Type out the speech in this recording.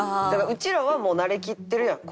うちらはもう慣れきってるやん。